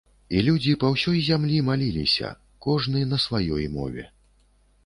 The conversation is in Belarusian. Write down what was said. І людзі па ўсёй зямлі маліліся, кожны на сваёй мове.